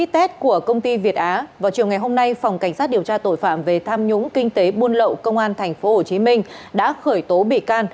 tết của công ty việt á vào chiều ngày hôm nay phòng cảnh sát điều tra tội phạm về tham nhũng kinh tế buôn lậu công an tp hcm đã khởi tố bị can